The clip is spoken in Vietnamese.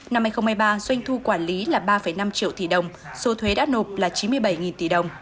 năm hai nghìn một mươi ba doanh thu quản lý là ba năm triệu tỷ đồng số thuế đã nộp là chín mươi bảy tỷ đồng